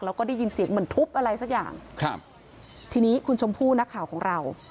แล้วก็ได้ยินเสียงเหมือนทุบอะไรสักอย่างครับทีนี้คุณชมพู่นักข่าวของเรา